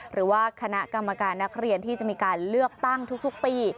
หรือว่าคณะกรรมการนักเรียนที่จะมีการเลือกตั้งทุกปี